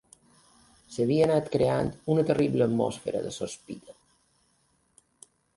S'havia anat creant una terrible atmosfera de sospita